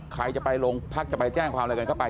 ใครจะไปโรงพักจะไปแจ้งความอะไรกันเข้าไป